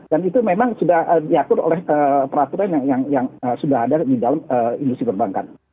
dan itu memang sudah diatur oleh peraturan yang sudah ada di dalam industri perbankan